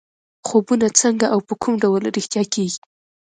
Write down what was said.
خوبونه څنګه او په کوم ډول رښتیا کېږي.